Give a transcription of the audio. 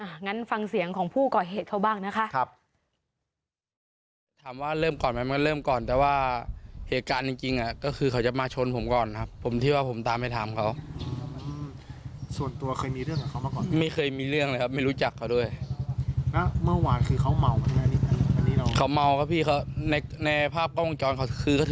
งั้นฟังเสียงของผู้ก่อเหตุเขาบ้างนะคะ